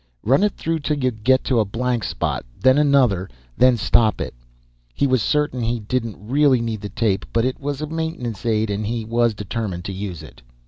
"Run it through 'til you get to a blank spot, then another, then stop it." He was certain he didn't really need the tape, but it was a maintenance aid and he was determined to use it.